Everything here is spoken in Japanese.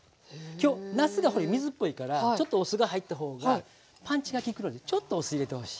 今日なすがほれ水っぽいからちょっとお酢が入った方がパンチが利くのでちょっとお酢入れてほしい。